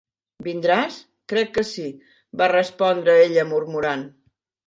"Vindràs?" "Crec que sí", va respondre ella murmurant.